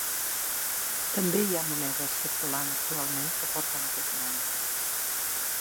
També hi ha monedes circulant actualment que porten aquest nom.